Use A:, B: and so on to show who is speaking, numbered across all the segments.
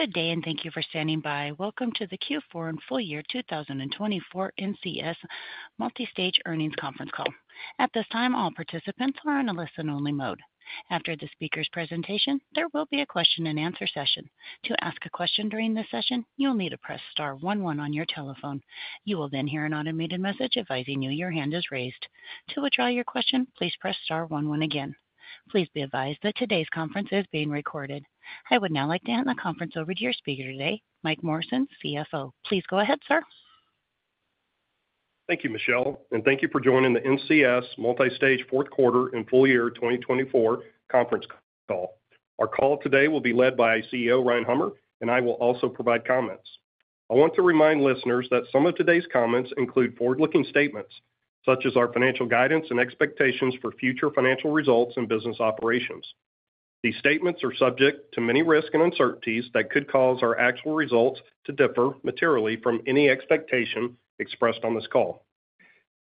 A: Good day, and thank you for standing by. Welcome to the Q4 and full year 2024 NCS Multistage Earnings Conference Call. At this time, all participants are on a listen-only mode. After the speaker's presentation, there will be a question-and-answer session. To ask a question during this session, you'll need to press star one-one on your telephone. You will then hear an automated message advising you your hand is raised. To withdraw your question, please press star one-one again. Please be advised that today's conference is being recorded. I would now like to hand the conference over to your speaker today, Michael Morrison, CFO. Please go ahead, sir.
B: Thank you, Michelle, and thank you for joining the NCS Multistage Fourth Quarter and Full Year 2024 Conference Call. Our call today will be led by CEO Ryan Hummer, and I will also provide comments. I want to remind listeners that some of today's comments include forward-looking statements, such as our financial guidance and expectations for future financial results and business operations. These statements are subject to many risks and uncertainties that could cause our actual results to differ materially from any expectation expressed on this call.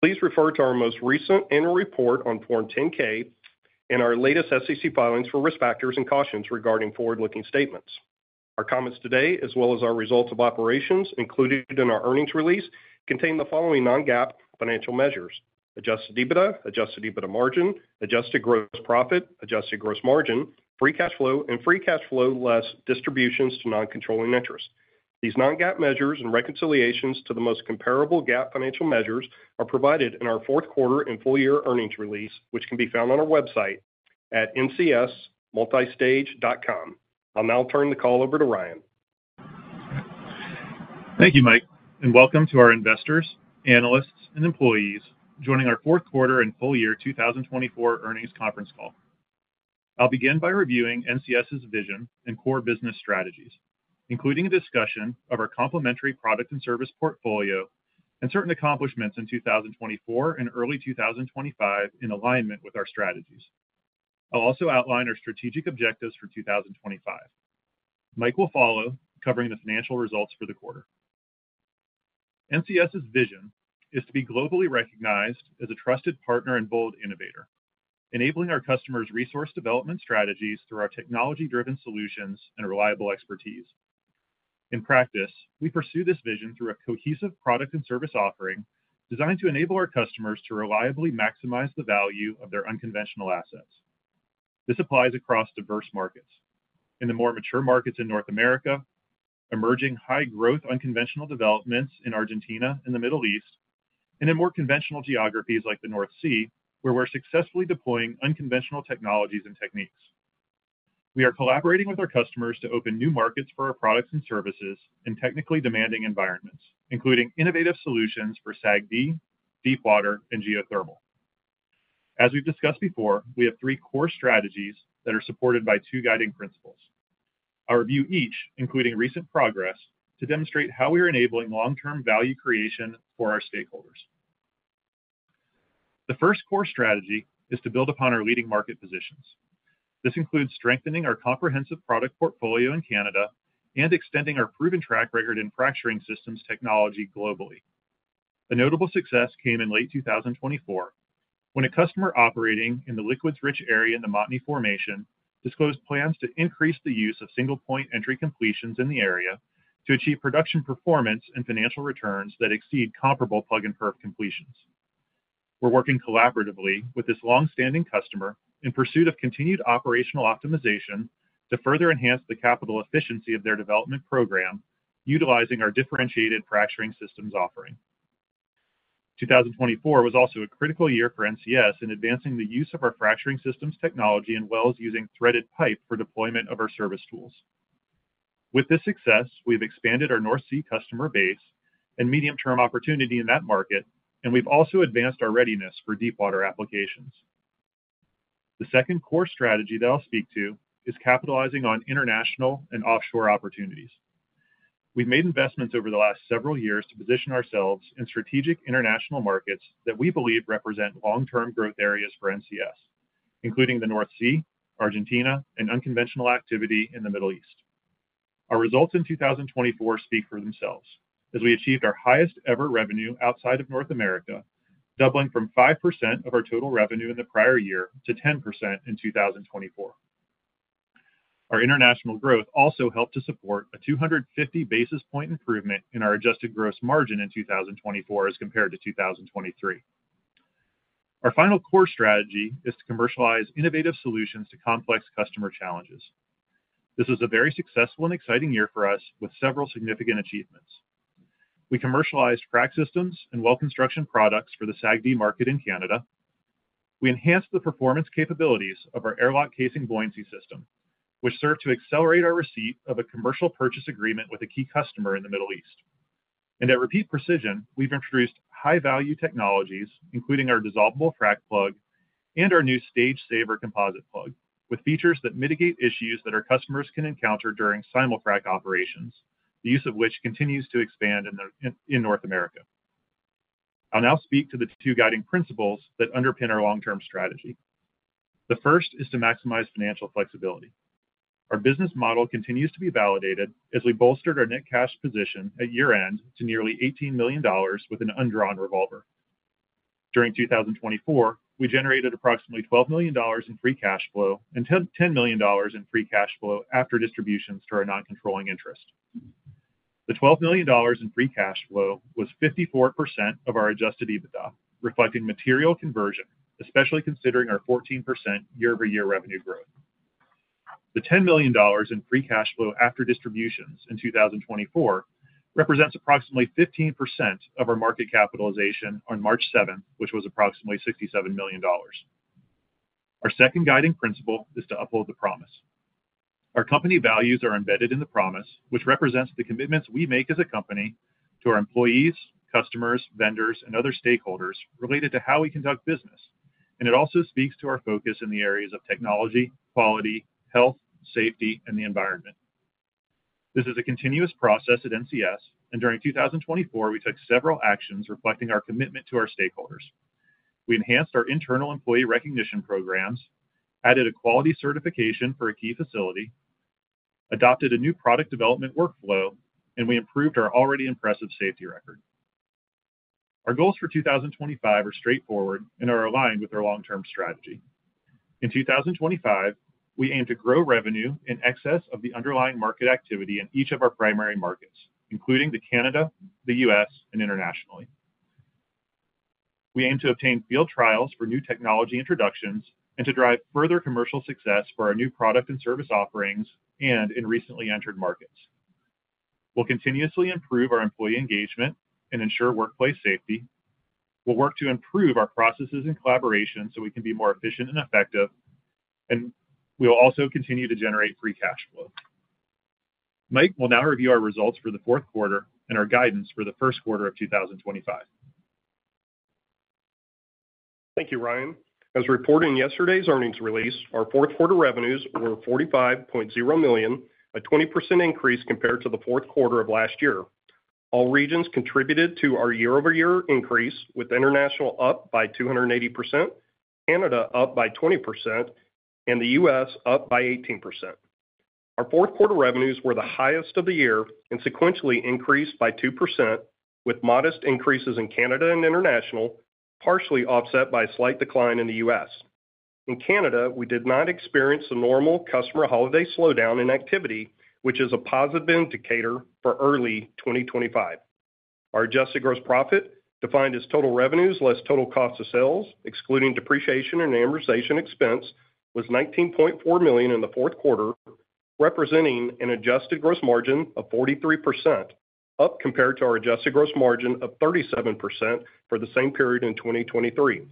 B: Please refer to our most recent annual report on Form 10-K and our latest SEC filings for risk factors and cautions regarding forward-looking statements. Our comments today, as well as our results of operations included in our earnings release, contain the following non-GAAP financial measures: adjusted EBITDA, adjusted EBITDA margin, adjusted gross profit, adjusted gross margin, free cash flow, and free cash flow less distributions to non-controlling interest. These non-GAAP measures and reconciliations to the most comparable GAAP financial measures are provided in our Fourth Quarter and Full Year earnings release, which can be found on our website at ncsmultistage.com. I'll now turn the call over to Ryan.
C: Thank you, Michael, and welcome to our investors, analysts, and employees joining our fourth quarter and full year 2024 earnings conference call. I'll begin by reviewing NCS's vision and core business strategies, including a discussion of our complementary product and service portfolio and certain accomplishments in 2024 and early 2025 in alignment with our strategies. I'll also outline our strategic objectives for 2025. Michael will follow, covering the financial results for the quarter. NCS's vision is to be globally recognized as a trusted partner and bold innovator, enabling our customers' resource development strategies through our technology-driven solutions and reliable expertise. In practice, we pursue this vision through a cohesive product and service offering designed to enable our customers to reliably maximize the value of their unconventional assets. This applies across diverse markets: in the more mature markets in North America, emerging high-growth unconventional developments in Argentina and the Middle East, and in more conventional geographies like the North Sea, where we're successfully deploying unconventional technologies and techniques. We are collaborating with our customers to open new markets for our products and services in technically demanding environments, including innovative solutions for SAG-D, deep water, and geothermal. As we've discussed before, we have three core strategies that are supported by two guiding principles. I'll review each, including recent progress, to demonstrate how we are enabling long-term value creation for our stakeholders. The first core strategy is to build upon our leading market positions. This includes strengthening our comprehensive product portfolio in Canada and extending our proven track record in fracturing systems technology globally. A notable success came in late 2024 when a customer operating in the liquids-rich area in the Montney Formation disclosed plans to increase the use of single-point entry completions in the area to achieve production performance and financial returns that exceed comparable plug-and-perf completions. We're working collaboratively with this long-standing customer in pursuit of continued operational optimization to further enhance the capital efficiency of their development program, utilizing our differentiated fracturing systems offering. 2024 was also a critical year for NCS in advancing the use of our fracturing systems technology in wells using threaded pipe for deployment of our service tools. With this success, we've expanded our North Sea customer base and medium-term opportunity in that market, and we've also advanced our readiness for deep water applications. The second core strategy that I'll speak to is capitalizing on international and offshore opportunities. We've made investments over the last several years to position ourselves in strategic international markets that we believe represent long-term growth areas for NCS, including the North Sea, Argentina, and unconventional activity in the Middle East. Our results in 2024 speak for themselves, as we achieved our highest-ever revenue outside of North America, doubling from 5% of our total revenue in the prior year to 10% in 2024. Our international growth also helped to support a 250 basis point improvement in our adjusted gross margin in 2024 as compared to 2023. Our final core strategy is to commercialize innovative solutions to complex customer challenges. This is a very successful and exciting year for us, with several significant achievements. We commercialized fracturing systems and well construction products for the SAG-D market in Canada. We enhanced the performance capabilities of our AirLock casing buoyancy system, which served to accelerate our receipt of a commercial purchase agreement with a key customer in the Middle East. At Repeat Precision, we've introduced high-value technologies, including our dissolvable frac plug and our new StageSaver composite plug, with features that mitigate issues that our customers can encounter during simul frac operations, the use of which continues to expand in North America. I'll now speak to the two guiding principles that underpin our long-term strategy. The first is to maximize financial flexibility. Our business model continues to be validated as we bolstered our net cash position at year-end to nearly $18 million with an undrawn revolver. During 2024, we generated approximately $12 million in free cash flow and $10 million in free cash flow after distributions to our non-controlling interest. The $12 million in free cash flow was 54% of our adjusted EBITDA, reflecting material conversion, especially considering our 14% year-over-year revenue growth. The $10 million in free cash flow after distributions in 2024 represents approximately 15% of our market capitalization on March 7, which was approximately $67 million. Our second guiding principle is to uphold the promise. Our company values are embedded in the promise, which represents the commitments we make as a company to our employees, customers, vendors, and other stakeholders related to how we conduct business. It also speaks to our focus in the areas of technology, quality, health, safety, and the environment. This is a continuous process at NCS, and during 2024, we took several actions reflecting our commitment to our stakeholders. We enhanced our internal employee recognition programs, added a quality certification for a key facility, adopted a new product development workflow, and we improved our already impressive safety record. Our goals for 2025 are straightforward and are aligned with our long-term strategy. In 2025, we aim to grow revenue in excess of the underlying market activity in each of our primary markets, including Canada, the U.S., and internationally. We aim to obtain field trials for new technology introductions and to drive further commercial success for our new product and service offerings and in recently entered markets. We'll continuously improve our employee engagement and ensure workplace safety. We'll work to improve our processes and collaboration so we can be more efficient and effective, and we will also continue to generate free cash flow. Michael will now review our results for the fourth quarter and our guidance for the first quarter of 2025.
B: Thank you, Ryan. As reported in yesterday's earnings release, our fourth quarter revenues were $45.0 million, a 20% increase compared to the fourth quarter of last year. All regions contributed to our year-over-year increase, with international up by 280%, Canada up by 20%, and the U.S. up by 18%. Our fourth quarter revenues were the highest of the year and sequentially increased by 2%, with modest increases in Canada and international, partially offset by a slight decline in the U.S. In Canada, we did not experience a normal customer holiday slowdown in activity, which is a positive indicator for early 2025. Our adjusted gross profit, defined as total revenues less total cost of sales, excluding depreciation and amortization expense, was $19.4 million in the fourth quarter, representing an adjusted gross margin of 43%, up compared to our adjusted gross margin of 37% for the same period in 2023.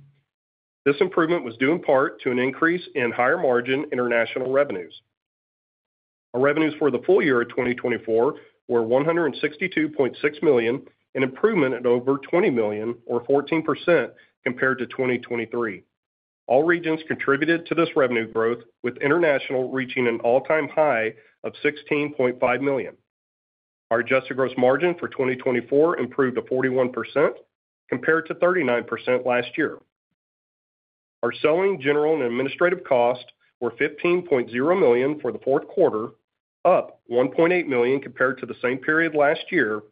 B: This improvement was due in part to an increase in higher margin international revenues. Our revenues for the full year of 2024 were $162.6 million, an improvement at over $20 million, or 14%, compared to 2023. All regions contributed to this revenue growth, with international reaching an all-time high of $16.5 million. Our adjusted gross margin for 2024 improved to 41%, compared to 39% last year. Our selling, general, and administrative costs were $15.0 million for the fourth quarter, up $1.8 million compared to the same period last year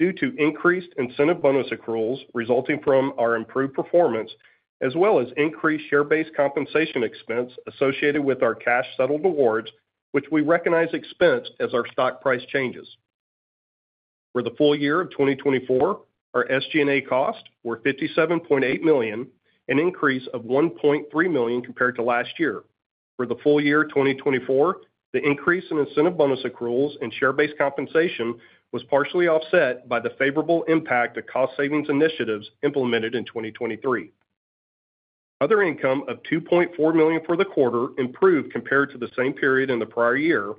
B: due to increased incentive bonus accruals resulting from our improved performance, as well as increased share-based compensation expense associated with our cash-settled awards, which we recognize expense as our stock price changes. For the full year of 2024, our SG&A costs were $57.8 million, an increase of $1.3 million compared to last year. For the full year 2024, the increase in incentive bonus accruals and share-based compensation was partially offset by the favorable impact of cost savings initiatives implemented in 2023. Other income of $2.4 million for the quarter improved compared to the same period in the prior year,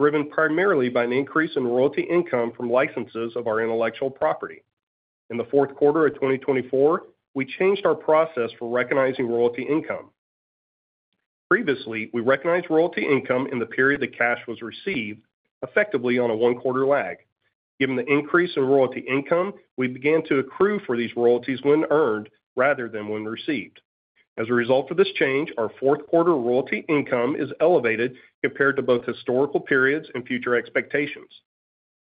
B: driven primarily by an increase in royalty income from licenses of our intellectual property. In the fourth quarter of 2024, we changed our process for recognizing royalty income. Previously, we recognized royalty income in the period the cash was received, effectively on a one-quarter lag. Given the increase in royalty income, we began to accrue for these royalties when earned rather than when received. As a result of this change, our fourth quarter royalty income is elevated compared to both historical periods and future expectations.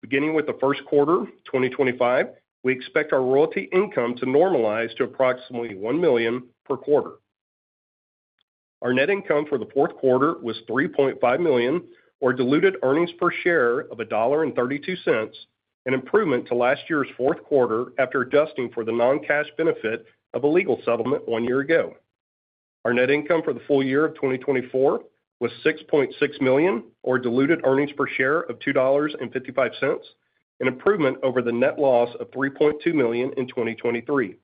B: Beginning with the first quarter 2025, we expect our royalty income to normalize to approximately $1 million per quarter. Our net income for the fourth quarter was $3.5 million, or diluted earnings per share of $1.32, an improvement to last year's fourth quarter after adjusting for the non-cash benefit of a legal settlement one year ago. Our net income for the full year of 2024 was $6.6 million, or diluted earnings per share of $2.55, an improvement over the net loss of $3.2 million in 2023.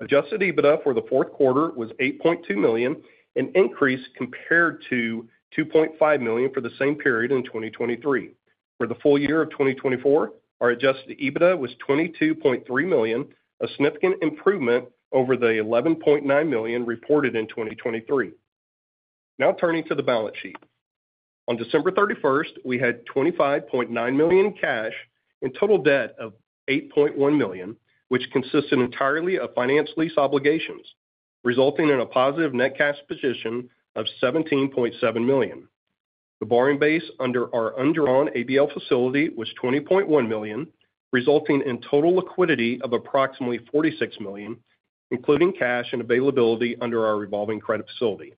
B: Adjusted EBITDA for the fourth quarter was $8.2 million, an increase compared to $2.5 million for the same period in 2023. For the full year of 2024, our adjusted EBITDA was $22.3 million, a significant improvement over the $11.9 million reported in 2023. Now turning to the balance sheet. On December 31, we had $25.9 million in cash and total debt of $8.1 million, which consisted entirely of finance lease obligations, resulting in a positive net cash position of $17.7 million. The borrowing base under our undrawn ABL facility was $20.1 million, resulting in total liquidity of approximately $46 million, including cash and availability under our revolving credit facility.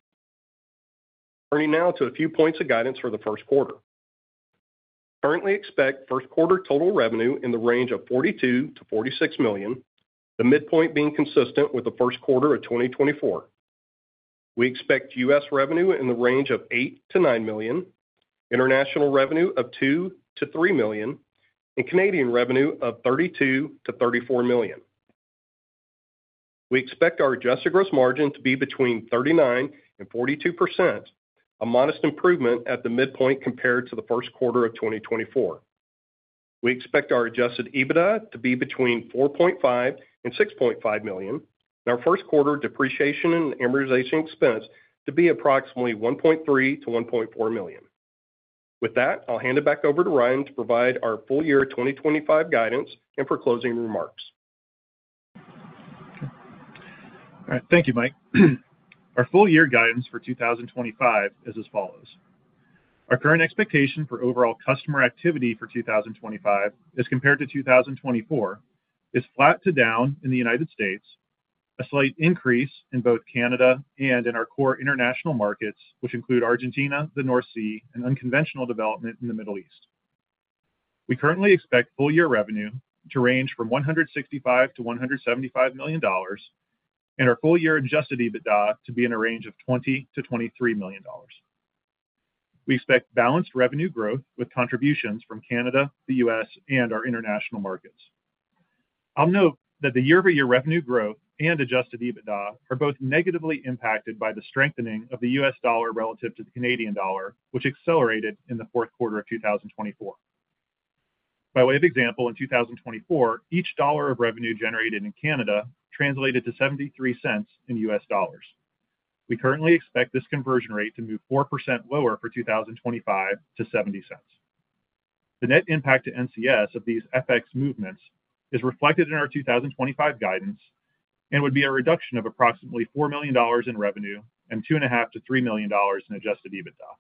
B: Turning now to a few points of guidance for the first quarter. Currently, expect first quarter total revenue in the range of $42-$46 million, the midpoint being consistent with the first quarter of 2024. We expect U.S. revenue in the range of $8-$9 million, international revenue of $2-$3 million, and Canadian revenue of $32-$34 million. We expect our adjusted gross margin to be between 39%-42%, a modest improvement at the midpoint compared to the first quarter of 2024. We expect our adjusted EBITDA to be between $4.5-$6.5 million, and our first quarter depreciation and amortization expense to be approximately $1.3-$1.4 million. With that, I'll hand it back over to Ryan to provide our full year 2025 guidance and foreclosing remarks.
C: All right. Thank you, Michael. Our full year guidance for 2025 is as follows. Our current expectation for overall customer activity for 2025, as compared to 2024, is flat to down in the U.S., a slight increase in both Canada and in our core international markets, which include Argentina, the North Sea, and unconventional development in the Middle East. We currently expect full year revenue to range from $165 million-$175 million, and our full year adjusted EBITDA to be in a range of $20 million-$23 million. We expect balanced revenue growth with contributions from Canada, the U.S., and our international markets. I'll note that the year-over-year revenue growth and adjusted EBITDA are both negatively impacted by the strengthening of the U.S. dollar relative to the Canadian dollar, which accelerated in the fourth quarter of 2024. By way of example, in 2024, each dollar of revenue generated in Canada translated to $0.73 in U.S. dollars. We currently expect this conversion rate to move 4% lower for 2025 to $0.70. The net impact to NCS of these FX movements is reflected in our 2025 guidance and would be a reduction of approximately $4 million in revenue and $2.5-$3 million in adjusted EBITDA.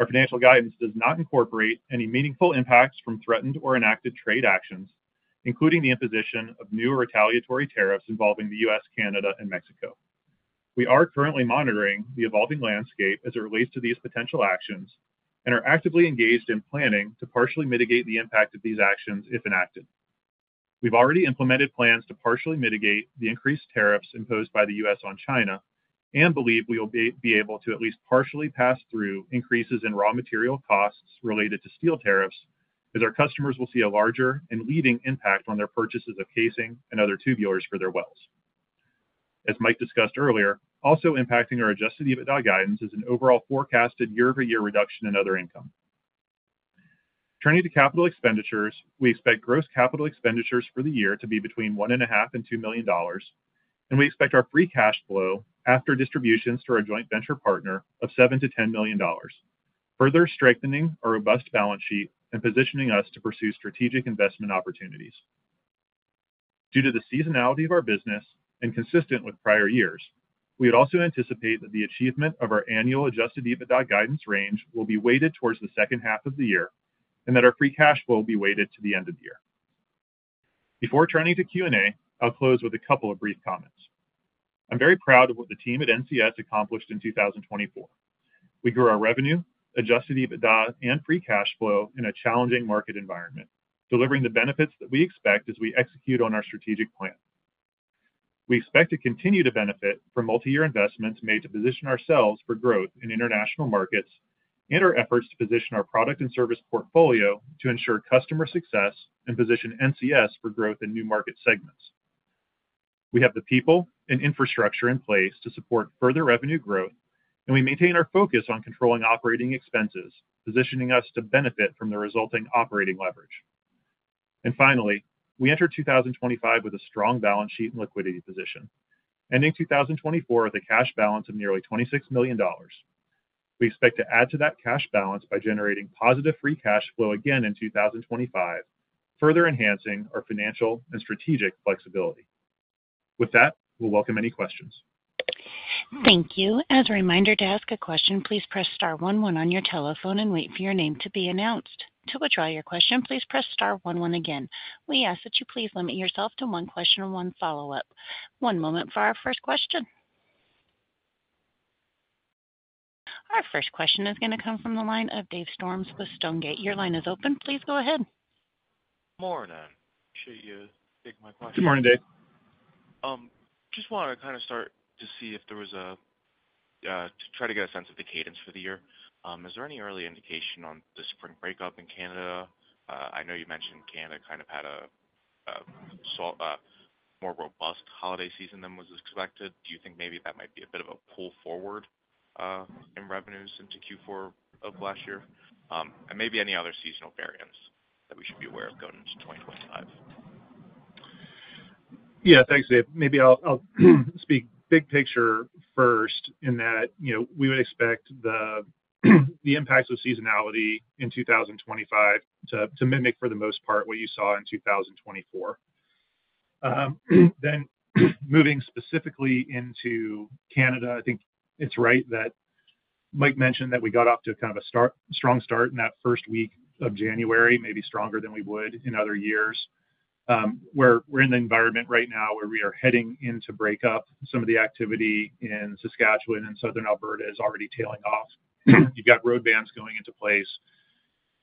C: Our financial guidance does not incorporate any meaningful impacts from threatened or enacted trade actions, including the imposition of new retaliatory tariffs involving the U.S., Canada, and Mexico. We are currently monitoring the evolving landscape as it relates to these potential actions and are actively engaged in planning to partially mitigate the impact of these actions, if enacted. We've already implemented plans to partially mitigate the increased tariffs imposed by the U.S. on China and believe we will be able to at least partially pass through increases in raw material costs related to steel tariffs, as our customers will see a larger and leading impact on their purchases of casing and other tubulars for their wells. As Michael discussed earlier, also impacting our adjusted EBITDA guidance is an overall forecasted year-over-year reduction in other income. Turning to capital expenditures, we expect gross capital expenditures for the year to be between $1.5 million and $2 million, and we expect our free cash flow after distributions to our joint venture partner of $7 million-$10 million, further strengthening our robust balance sheet and positioning us to pursue strategic investment opportunities. Due to the seasonality of our business and consistent with prior years, we would also anticipate that the achievement of our annual adjusted EBITDA guidance range will be weighted towards the second half of the year and that our free cash flow will be weighted to the end of the year. Before turning to Q&A, I'll close with a couple of brief comments. I'm very proud of what the team at NCS accomplished in 2024. We grew our revenue, adjusted EBITDA, and free cash flow in a challenging market environment, delivering the benefits that we expect as we execute on our strategic plan. We expect to continue to benefit from multi-year investments made to position ourselves for growth in international markets and our efforts to position our product and service portfolio to ensure customer success and position NCS for growth in new market segments. We have the people and infrastructure in place to support further revenue growth, and we maintain our focus on controlling operating expenses, positioning us to benefit from the resulting operating leverage. Finally, we enter 2025 with a strong balance sheet and liquidity position, ending 2024 with a cash balance of nearly $26 million. We expect to add to that cash balance by generating positive free cash flow again in 2025, further enhancing our financial and strategic flexibility. With that, we'll welcome any questions.
A: Thank you. As a reminder to ask a question, please press star one-one on your telephone and wait for your name to be announced. To withdraw your question, please press star one-one again. We ask that you please limit yourself to one question and one follow-up. One moment for our first question. Our first question is going to come from the line of Dave Storms with Stonegate. Your line is open. Please go ahead.
D: Good morning. Appreciate you taking my question.
C: Good morning, Dave.
D: Just want to kind of start to see if there was a, to try to get a sense of the cadence for the year. Is there any early indication on the spring breakup in Canada? I know you mentioned Canada kind of had a more robust holiday season than was expected. Do you think maybe that might be a bit of a pull forward in revenues into Q4 of last year? And maybe any other seasonal variants that we should be aware of going into 2025?
C: Yeah, thanks, Dave. Maybe I'll speak big picture first in that we would expect the impacts of seasonality in 2025 to mimic, for the most part, what you saw in 2024. Moving specifically into Canada, I think it's right that Michael mentioned that we got off to kind of a strong start in that first week of January, maybe stronger than we would in other years. We're in the environment right now where we are heading into breakup. Some of the activity in Saskatchewan and southern Alberta is already tailing off. You've got road bans going into place.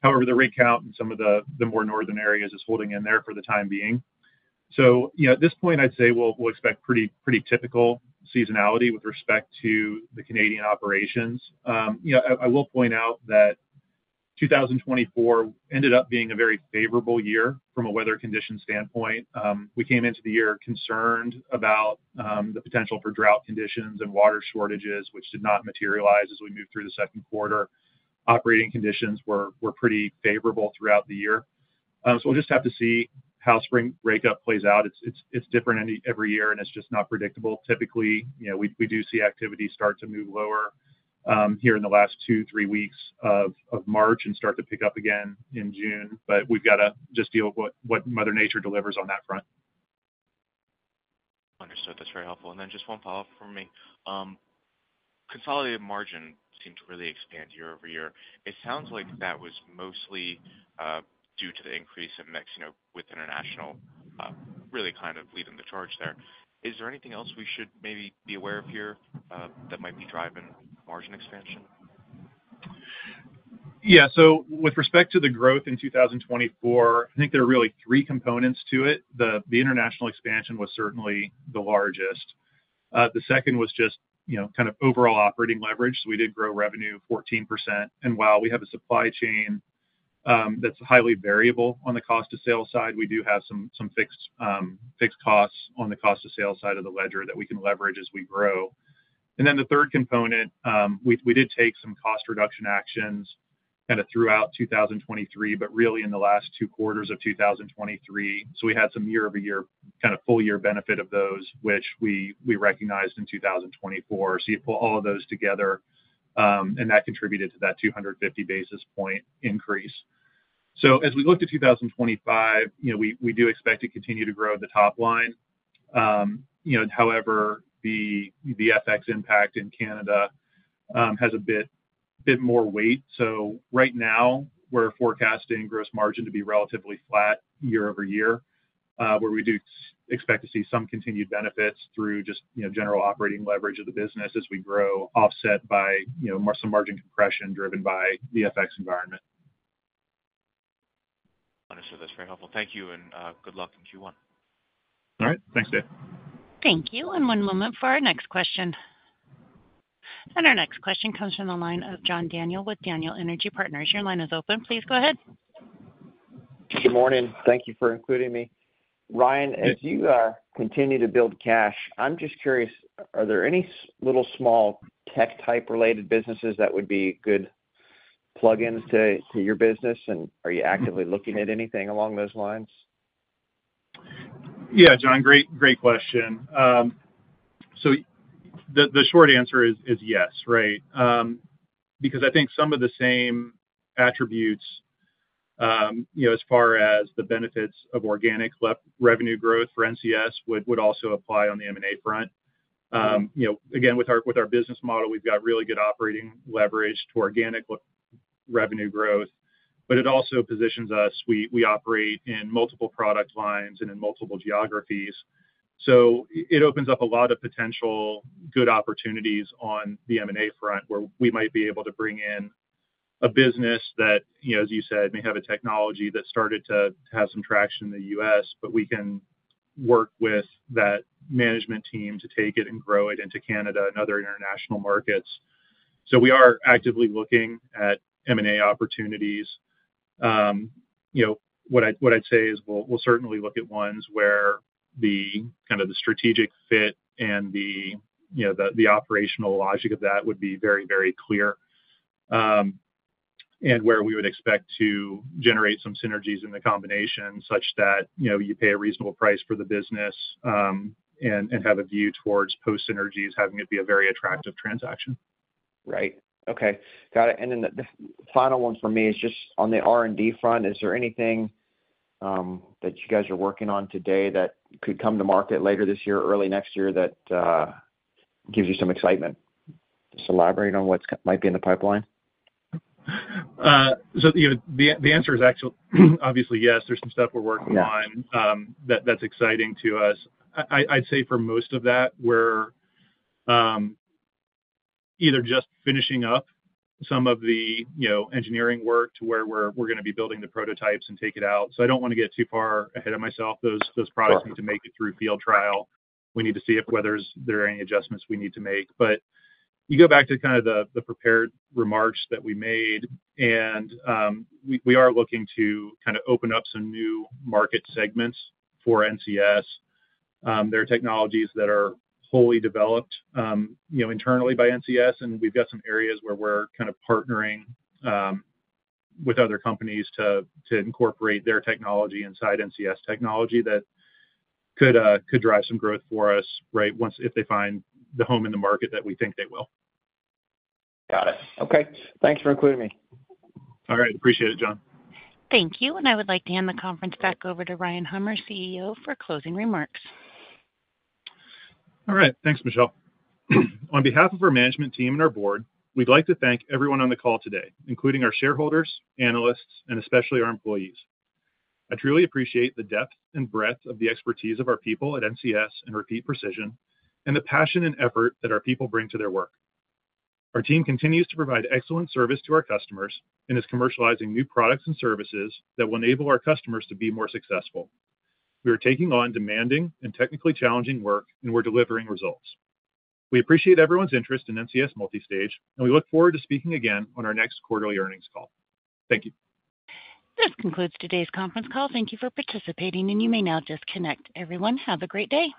C: However, the rig count in some of the more northern areas is holding in there for the time being. At this point, I'd say we'll expect pretty typical seasonality with respect to the Canadian operations. I will point out that 2024 ended up being a very favorable year from a weather condition standpoint. We came into the year concerned about the potential for drought conditions and water shortages, which did not materialize as we moved through the second quarter. Operating conditions were pretty favorable throughout the year. We will just have to see how spring breakup plays out. It is different every year, and it is just not predictable. Typically, we do see activity start to move lower here in the last two, three weeks of March and start to pick up again in June, but we have to just deal with what Mother Nature delivers on that front.
D: Understood. That is very helpful. Just one follow-up from me. Consolidated margin seemed to really expand year over year. It sounds like that was mostly due to the increase in mix with international really kind of leading the charge there. Is there anything else we should maybe be aware of here that might be driving margin expansion?
C: Yeah. With respect to the growth in 2024, I think there are really three components to it. The international expansion was certainly the largest. The second was just kind of overall operating leverage. We did grow revenue 14%, and while we have a supply chain that is highly variable on the cost-to-sale side, we do have some fixed costs on the cost-to-sale side of the ledger that we can leverage as we grow. The third component, we did take some cost reduction actions kind of throughout 2023, but really in the last two quarters of 2023. We had some year-over-year, kind of full-year benefit of those, which we recognized in 2024. You pull all of those together, and that contributed to that 250 basis point increase. As we look to 2025, we do expect to continue to grow at the top line. However, the FX impact in Canada has a bit more weight. Right now, we're forecasting gross margin to be relatively flat year over year, where we do expect to see some continued benefits through just general operating leverage of the business as we grow, offset by some margin compression driven by the FX environment.
D: Understood. That's very helpful. Thank you, and good luck in Q1.
C: All right. Thanks, Dave.
A: Thank you. One moment for our next question. Our next question comes from the line of John Daniel with Daniel Energy Partners. Your line is open. Please go ahead.
E: Good morning. Thank you for including me. Ryan, as you continue to build cash, I'm just curious, are there any little small tech-type related businesses that would be good plug-ins to your business? Are you actively looking at anything along those lines?
C: Yeah, John, great question. The short answer is yes, right? I think some of the same attributes as far as the benefits of organic revenue growth for NCS would also apply on the M&A front. Again, with our business model, we've got really good operating leverage to organic revenue growth, but it also positions us. We operate in multiple product lines and in multiple geographies. It opens up a lot of potential good opportunities on the M&A front, where we might be able to bring in a business that, as you said, may have a technology that started to have some traction in the U.S., but we can work with that management team to take it and grow it into Canada and other international markets. We are actively looking at M&A opportunities. What I'd say is we'll certainly look at ones where the kind of the strategic fit and the operational logic of that would be very, very clear, and where we would expect to generate some synergies in the combination such that you pay a reasonable price for the business and have a view towards post-synergies having it be a very attractive transaction.
E: Right. Okay. Got it. The final one for me is just on the R&D front. Is there anything that you guys are working on today that could come to market later this year, early next year, that gives you some excitement? Just elaborate on what might be in the pipeline.
C: The answer is actually, obviously, yes. There's some stuff we're working on that's exciting to us. I'd say for most of that, we're either just finishing up some of the engineering work to where we're going to be building the prototypes and take it out. I don't want to get too far ahead of myself. Those products need to make it through field trial. We need to see if there are any adjustments we need to make. You go back to kind of the prepared remarks that we made, and we are looking to kind of open up some new market segments for NCS. There are technologies that are wholly developed internally by NCS, and we've got some areas where we're kind of partnering with other companies to incorporate their technology inside NCS technology that could drive some growth for us, right, if they find the home in the market that we think they will.
E: Got it. Okay. Thanks for including me.
C: All right. Appreciate it, John.
A: Thank you. I would like to hand the conference back over to Ryan Hummer, CEO, for closing remarks.
C: All right. Thanks, Michelle. On behalf of our management team and our board, we'd like to thank everyone on the call today, including our shareholders, analysts, and especially our employees. I truly appreciate the depth and breadth of the expertise of our people at NCS and Repeat Precision and the passion and effort that our people bring to their work. Our team continues to provide excellent service to our customers and is commercializing new products and services that will enable our customers to be more successful. We are taking on demanding and technically challenging work, and we're delivering results. We appreciate everyone's interest in NCS Multistage, and we look forward to speaking again on our next quarterly earnings call. Thank you.
F: This concludes today's conference call. Thank you for participating, and you may now disconnect. Everyone, have a great day.